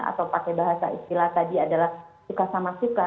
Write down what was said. atau pakai bahasa istilah tadi adalah suka sama suka